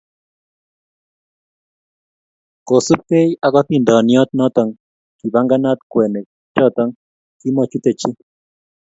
Kosubkei ak atindoniot noto, kibanganat kwenik choto, kimatachute chi.